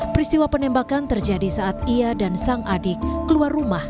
peristiwa penembakan terjadi saat ia dan sang adik keluar rumah